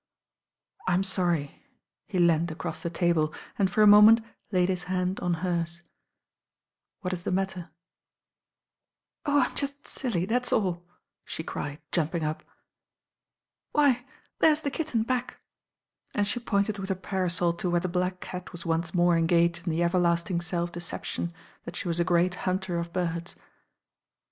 *^ "I'm .orry." He leaned across the table, and tor a moment laid his hand on hers. "What is the matter?" ^ up. Why there's the kitten back." and she pointed with her parasol to where the black cat was once more engaged in the everlasting self^leception tftat she was a great hunter of birds.